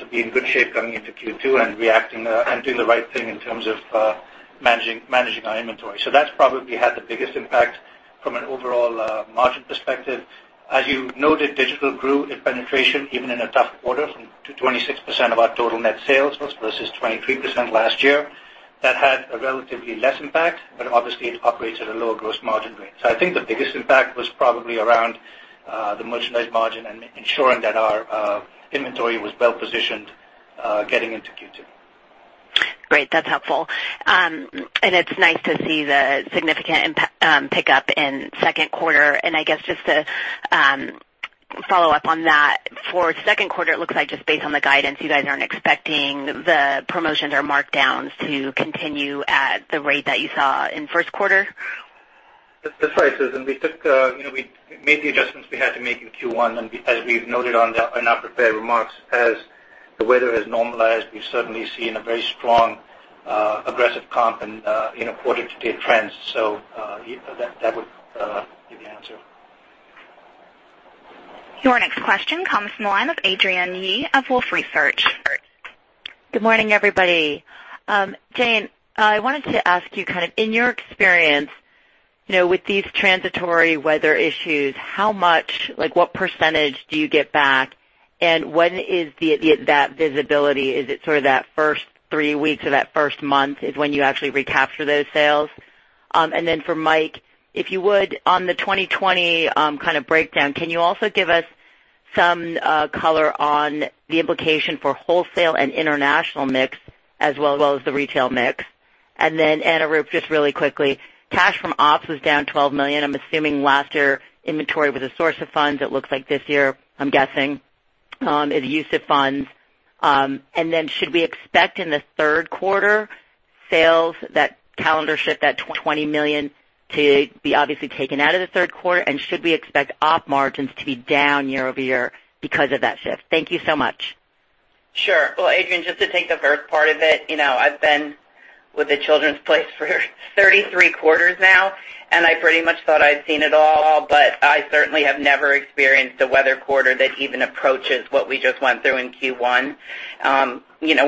to be in good shape coming into Q2 and doing the right thing in terms of managing our inventory. That's probably had the biggest impact from an overall margin perspective. As you noted, digital grew in penetration, even in a tough quarter, from 26% of our total net sales versus 23% last year. That had a relatively less impact. It operates at a lower gross margin rate. I think the biggest impact was probably around the merchandise margin and ensuring that our inventory was well-positioned getting into Q2. Great. That's helpful. It's nice to see the significant pickup in second quarter. I guess, just to follow up on that, for second quarter, it looks like just based on the guidance, you guys aren't expecting the promotions or markdowns to continue at the rate that you saw in first quarter? That's right, Susan. We made the adjustments we had to make in Q1. As we've noted in our prepared remarks, as the weather has normalized. We've certainly seen a very strong, aggressive comp in a quarter-to-date trends. That would be the answer. Your next question comes from the line of Adrienne Yih of Wolfe Research. Good morning, everybody. Jane, I wanted to ask you, in your experience, with these transitory weather issues, what percentage do you get back, and when is that visibility? Is it sort of that first three weeks or that first month is when you actually recapture those sales? For Mike, if you would, on the 2020 kind of breakdown, can you also give us some color on the implication for wholesale and international mix as well as the retail mix? Anurup, just really quickly, cash from ops was down $12 million. I'm assuming last year inventory was a source of funds. It looks like this year, I'm guessing, is use of funds. Should we expect in the third quarter sales, that calendar shift, that $20 million to be obviously taken out of the third quarter? Should we expect op margins to be down year-over-year because of that shift? Thank you so much. Sure. Well, Adrienne, just to take the first part of it, I've been with The Children's Place for 33 quarters now, and I pretty much thought I'd seen it all, but I certainly have never experienced a weather quarter that even approaches what we just went through in Q1.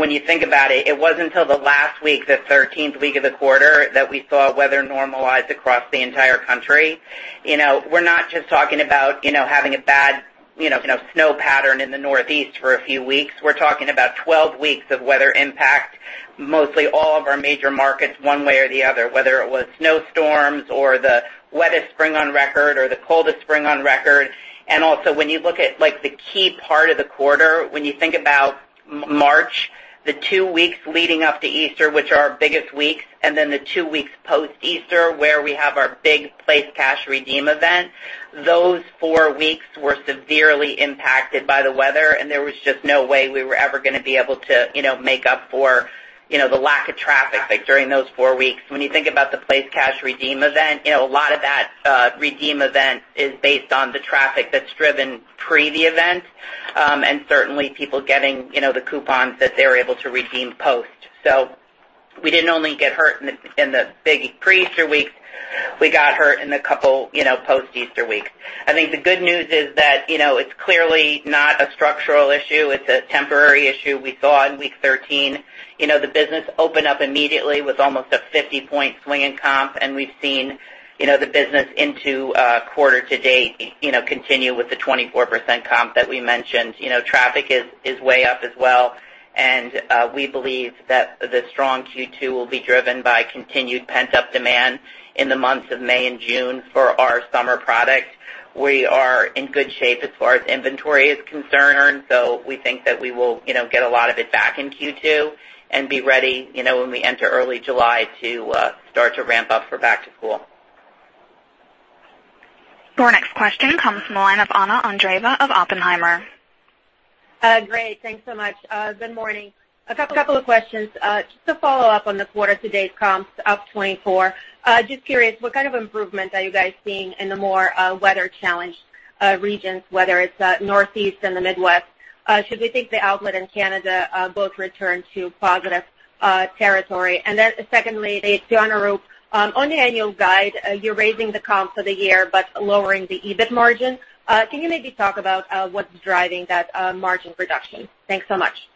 When you think about it wasn't until the last week, the 13th week of the quarter, that we saw weather normalize across the entire country. We're not just talking about having a bad snow pattern in the Northeast for a few weeks. We're talking about 12 weeks of weather impact, mostly all of our major markets, one way or the other, whether it was snowstorms or the wettest spring on record or the coldest spring on record. When you look at the key part of the quarter, when you think about March, the two weeks leading up to Easter, which are our biggest weeks, then the two weeks post-Easter, where we have our big PLACE cash redeem event, those four weeks were severely impacted by the weather, there was just no way we were ever going to be able to make up for the lack of traffic during those four weeks. When you think about the PLACE cash redeem event, a lot of that redeem event is based on the traffic that's driven pre the event, certainly people getting the coupons that they were able to redeem post. We didn't only get hurt in the big pre-Easter weeks. We got hurt in the couple post-Easter weeks. I think the good news is that it's clearly not a structural issue. It's a temporary issue. We saw in week 13, the business open up immediately with almost a 50 point swing in comp, we've seen the business into quarter to date continue with the 24% comp that we mentioned. Traffic is way up as well, we believe that the strong Q2 will be driven by continued pent-up demand in the months of May and June for our summer product. We are in good shape as far as inventory is concerned, we think that we will get a lot of it back in Q2 and be ready when we enter early July to start to ramp up for back to school. Your next question comes from the line of Anna Andreeva of Oppenheimer. Great. Thanks so much. Good morning. A couple of questions. Just to follow up on the quarter to date comps up 24. Just curious, what kind of improvement are you guys seeing in the more weather challenged regions, whether it's Northeast and the Midwest? Should we think the outlet in Canada both return to positive territory? Then secondly, to Anurup, on the annual guide, you're raising the comps for the year but lowering the EBIT margin. Can you maybe talk about what's driving that margin reduction? Thanks so much.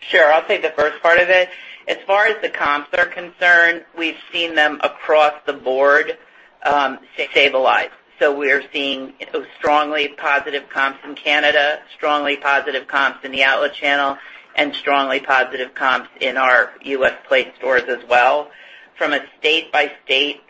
Sure. I'll take the first part of it. As far as the comps are concerned, we've seen them across the board stabilize. We are seeing strongly positive comps in Canada, strongly positive comps in the outlet channel, and strongly positive comps in our U.S. Place stores as well. From a state-by-state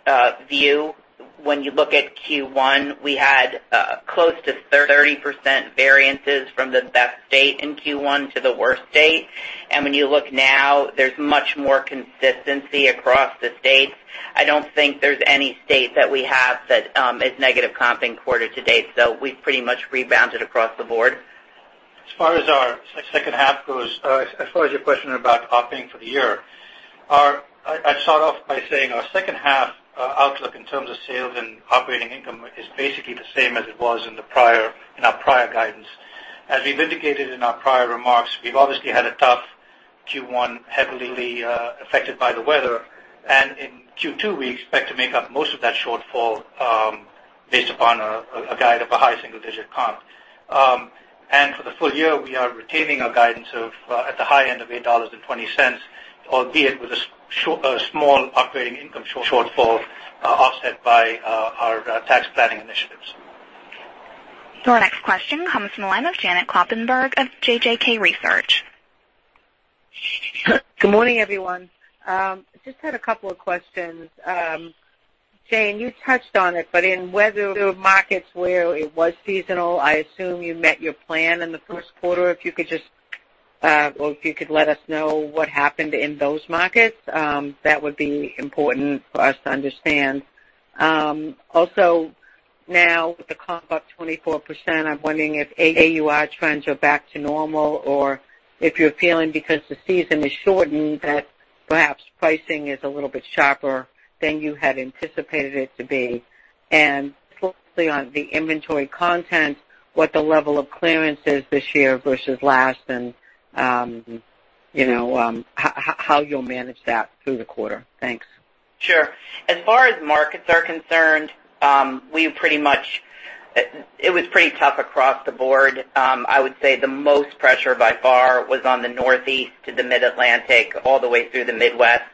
view, when you look at Q1, we had close to 30% variances from the best state in Q1 to the worst state. When you look now, there's much more consistency across the states. I don't think there's any state that we have that is negative comping quarter to date. We've pretty much rebounded across the board. As far as our second half goes, as far as your question about opting for the year, I'd start off by saying our second half outlook in terms of sales and operating income is basically the same as it was in our prior guidance. As we've indicated in our prior remarks, we've obviously had a tough Q1, heavily affected by the weather. In Q2, we expect to make up most of that shortfall based upon a guide of a high-single-digit comp. For the full year, we are retaining our guidance at the high end of $8.20, albeit with a small operating income shortfall offset by our tax planning initiatives. Your next question comes from the line of Janet Kloppenburg of JJK Research. Good morning, everyone. Just had a couple of questions. Jane, you touched on it, but in weather markets where it was seasonal, I assume you met your plan in the first quarter. If you could let us know what happened in those markets, that would be important for us to understand. Now with the comp up 24%, I'm wondering if AUR trends are back to normal or if you're feeling because the season is shortened. Perhaps pricing is a little bit sharper than you had anticipated it to be. Specifically on the inventory content, what the level of clearance is this year versus last and how you'll manage that through the quarter. Thanks. Sure. As far as markets are concerned, it was pretty tough across the board. I would say the most pressure by far was on the Northeast to the Mid-Atlantic all the way through the Midwest.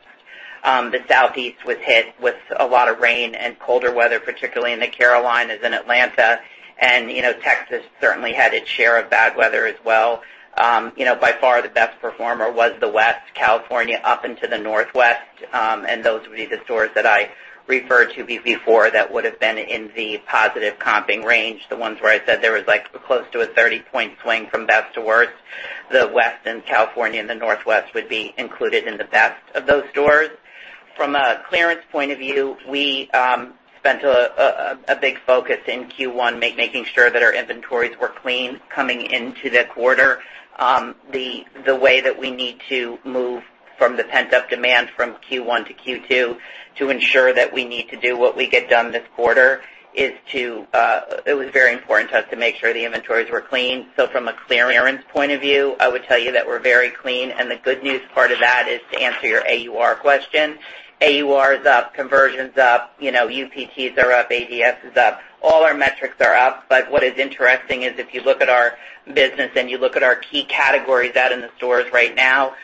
The Southeast was hit with a lot of rain and colder weather, particularly in the Carolinas and Atlanta. Texas certainly had its share of bad weather as well. By far, the best performer was the West, California up into the Northwest, and those would be the stores that I referred to before that would've been in the positive comping range. The ones where I said there was close to a 30-point swing from best to worst. The West and California and the Northwest would be included in the best of those stores. From a clearance point of view, we spent a big focus in Q1 making sure that our inventories were clean coming into the quarter. The way that we need to move from the pent-up demand from Q1 to Q2 to ensure that we need to do what we get done this quarter, it was very important to us to make sure the inventories were clean. From a clearance point of view, I would tell you that we're very clean, and the good news part of that is to answer your AUR question. AUR is up, conversion's up, UPTs are up, ADS is up. All our metrics are up. What is interesting is if you look at our business and you look at our key categories out in the stores right now,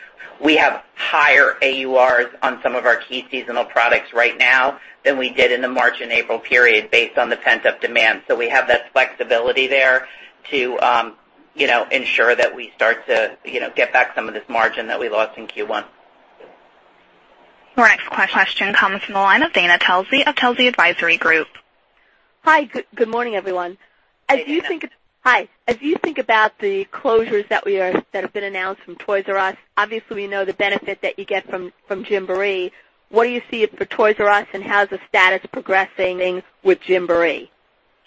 we have higher AURs on some of our key seasonal products right now than we did in the March and April period based on the pent-up demand. We have that flexibility there to ensure that we start to get back some of this margin that we lost in Q1. Your next question comes from the line of Dana Telsey of Telsey Advisory Group. Hi. Good morning, everyone. Hey, Dana. Hi. As you think about the closures that have been announced from Toys "R" Us, obviously, we know the benefit that you get from Gymboree. What do you see for Toys "R" Us, and how's the status progressing with Gymboree?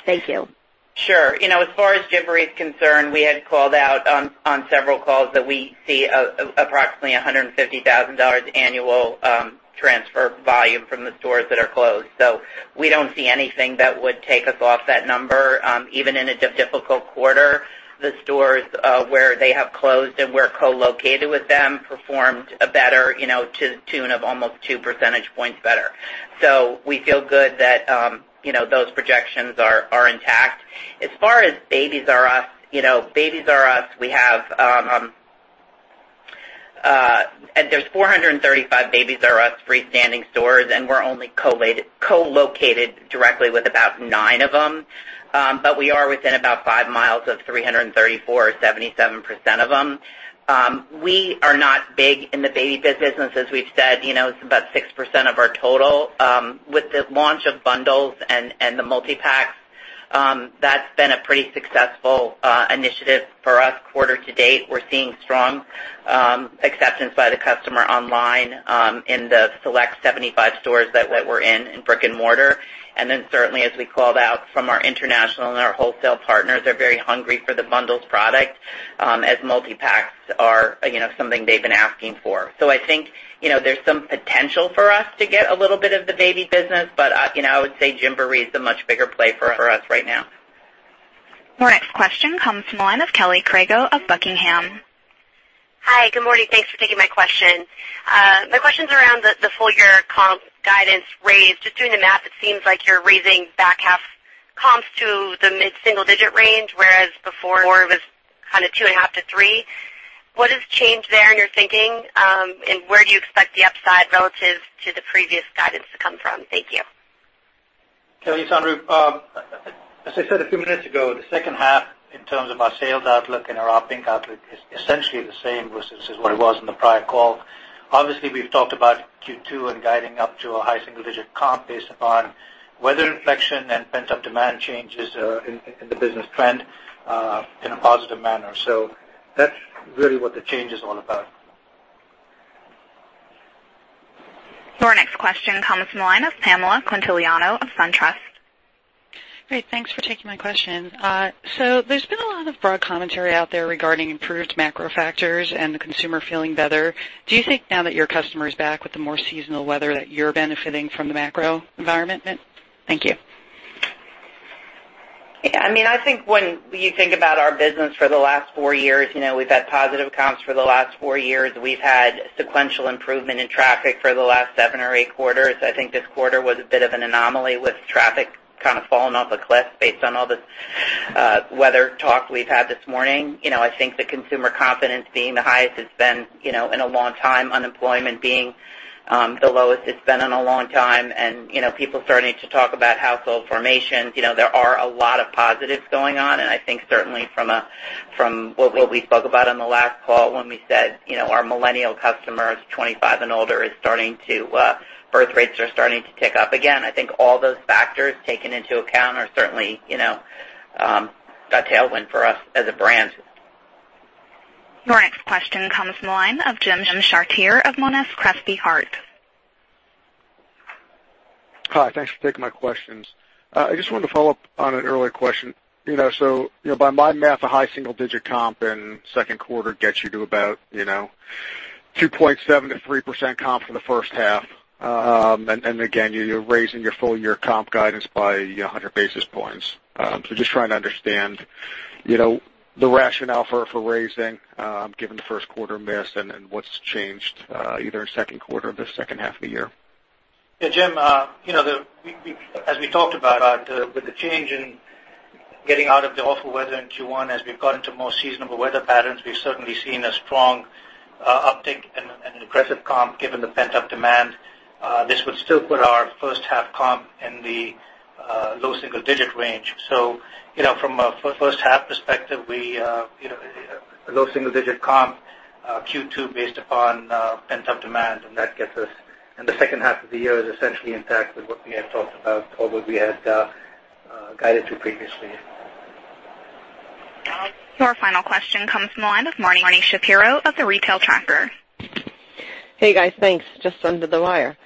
Thank you. Sure. As far as Gymboree is concerned, we had called out on several calls that we see approximately $150,000 annual transfer volume from the stores that are closed. We do not see anything that would take us off that number. Even in a difficult quarter, the stores where they have closed and we are co-located with them performed better to the tune of almost two percentage points better. We feel good that those projections are intact. As far as Babies 'R' Us, there are 435 Babies 'R' Us freestanding stores, and we are only co-located directly with about nine of them. We are within about five miles of 334, or 77% of them. We are not big in the baby business. As we have said, it is about 6% of our total. With the launch of bundles and the multi-packs, that has been a pretty successful initiative for us quarter to date. We are seeing strong acceptance by the customer online in the select 75 stores that we are in brick and mortar. Certainly, as we called out from our international and our wholesale partners, they are very hungry for the bundles product as multi-packs are something they have been asking for. I think there is some potential for us to get a little bit of the baby business, but I would say Gymboree is the much bigger play for us right now. Your next question comes from the line of Kelly Crago of Buckingham. Hi. Good morning. Thanks for taking my question. My question is around the full-year comp guidance raise. Just doing the math, it seems like you are raising back half comps to the mid-single digit range, whereas before it was kind of 2.5%-3%. What has changed there in your thinking? Where do you expect the upside relative to the previous guidance to come from? Thank you. Kelly, it's Andrew. As I said a few minutes ago, the second half in terms of our sales outlook and our OP income outlook is essentially the same as what it was in the prior call. Obviously, we've talked about Q2 and guiding up to a high single-digit comp based upon weather inflection and pent-up demand changes in the business trend in a positive manner. That's really what the change is all about. Your next question comes from the line of Pamela Quintiliano of SunTrust. Great. Thanks for taking my question. There's been a lot of broad commentary out there regarding improved macro factors and the consumer feeling better. Do you think now that your customer is back with the more seasonal weather, that you're benefiting from the macro environment, Mint? Thank you. Yeah. I think when you think about our business for the last four years, we've had positive comps for the last four years. We've had sequential improvement in traffic for the last seven or eight quarters. I think this quarter was a bit of an anomaly with traffic falling off a cliff based on all the weather talk we've had this morning. I think the consumer confidence being the highest it's been in a long time, unemployment being the lowest it's been in a long time, and people starting to talk about household formation. There are a lot of positives going on, and I think certainly from what we spoke about on the last call when we said our millennial customers, 25 and older, birth rates are starting to tick up again. I think all those factors taken into account are certainly a tailwind for us as a brand. Your next question comes from the line of Jim Chartier of Monness, Crespi, Hardt. Hi, thanks for taking my questions. I just wanted to follow up on an earlier question. By my math, a high single-digit comp in second quarter gets you to about 2.7%-3% comp for the first half. Again, you're raising your full-year comp guidance by 100 basis points. Just trying to understand the rationale for raising, given the first quarter miss and what's changed, either in second quarter or the second half of the year. Yeah, Jim, as we talked about, with the change in getting out of the awful weather in Q1, as we've got into more seasonable weather patterns, we've certainly seen a strong uptick and an aggressive comp, given the pent-up demand. This would still put our first half comp in the low single-digit range. From a first half perspective, low single-digit comp Q2 based upon pent-up demand, and that gets us The second half of the year is essentially intact with what we had talked about or what we had guided to previously. Your final question comes from the line of Marni Shapiro of The Retail Tracker. Hey, guys. Thanks. Just under the wire.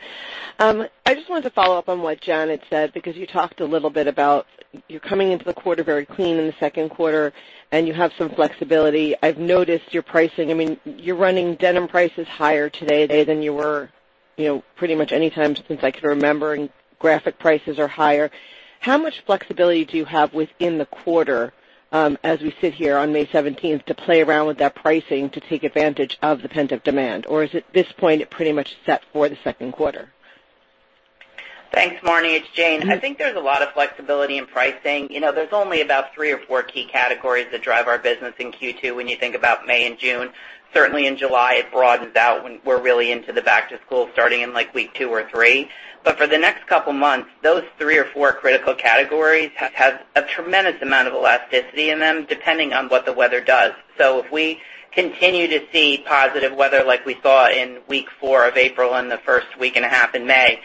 I just wanted to follow up on what Janet said, because you talked a little bit about you're coming into the quarter very clean in the second quarter, and you have some flexibility. I've noticed your pricing. You're running denim prices higher today than you were pretty much any time since I can remember, and graphic prices are higher. How much flexibility do you have within the quarter, as we sit here on May 17th, to play around with that pricing to take advantage of the pent-up demand? Or is it, at this point, pretty much set for the second quarter? Thanks, Marni. It's Jane. I think there's a lot of flexibility in pricing. There's only about three or four key categories that drive our business in Q2 when you think about May and June. Certainly, in July, it broadens out when we're really into the back-to-school starting in week two or three. For the next couple of months, those three or four critical categories have a tremendous amount of elasticity in them, depending on what the weather does. If we continue to see positive weather like we saw in week four of April and the first week and a half in May,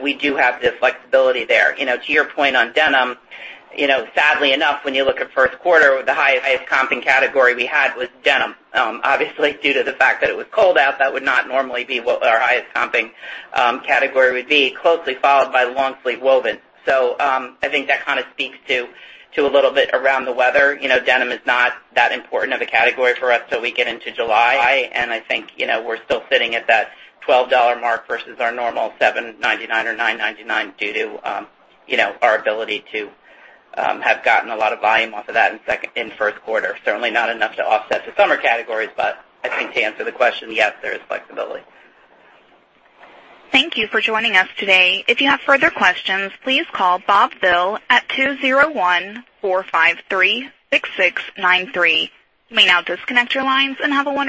we do have the flexibility there. To your point on denim, sadly enough, when you look at first quarter, the highest comping category we had was denim. Obviously, due to the fact that it was cold out, that would not normally be what our highest comping category would be, closely followed by long-sleeve woven. I think that kind of speaks to a little bit around the weather. Denim is not that important of a category for us till we get into July, and I think we're still sitting at that $12 mark versus our normal $7.99 or $9.99 due to our ability to have gotten a lot of volume off of that in first quarter. Certainly not enough to offset the summer categories, but I think to answer the question, yes, there is flexibility. Thank you for joining us today. If you have further questions, please call Bob Vill at 201-453-6693. You may now disconnect your lines and have a wonderful day